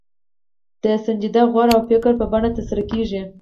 د سنجیده غور او فکر په بڼه ترسره کېږي.